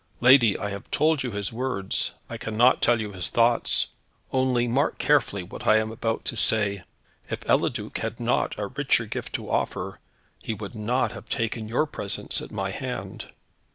Lady, I have told you his words: I cannot tell you his thoughts. Only, mark carefully what I am about to say. If Eliduc had not a richer gift to offer, he would not have taken your presents at my hand."